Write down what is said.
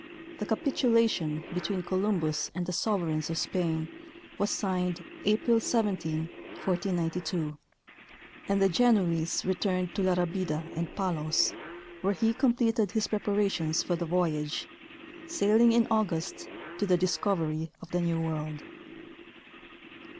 The " capitulation " between Columbus and the sover eigns of Spain was signed April 17, 1492, and the Genoese re turned to La Rabida and Palos, where he completed his prepa rations for the voyage, sailing in August, to the discovery of the New World.